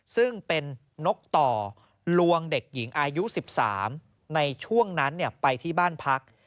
ซึ่งเป็นนกต่อลวงเด็กหญิงอายุ๑๓ในช่วงนั้นไปที่บ้านพัก